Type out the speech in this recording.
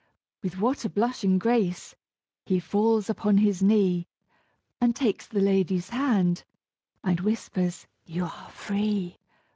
With what a blushing grace he falls upon his knee And takes the lady's hand and whispers, "You are free!"